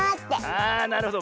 ああなるほど。